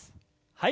はい。